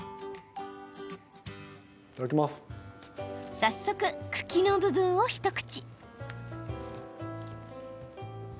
早速、茎の部分を一口。